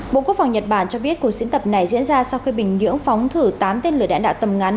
bộ quốc phòng nhật bản cho biết cuộc diễn tập này diễn ra sau khi bình nhưỡng phóng thử tám tên lửa đạn đạo tầm ngắn